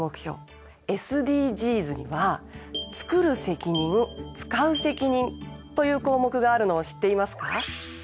ＳＤＧｓには「つくる責任つかう責任」という項目があるのを知っていますか？